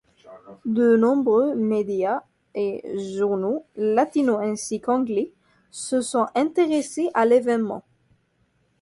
De nombreux médias et journaux, latinos ainsi qu'anglais, se sont intéressés à l'évènement.